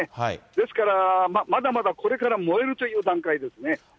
ですから、まだまだこれから燃えるという段階ですね。